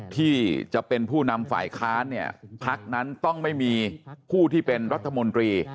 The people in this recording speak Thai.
ที่จะเป็นผู้นำฝ่ายค้านเนี่ยพักนั้นต้องไม่มีผู้ที่เป็นรัฐมนตรี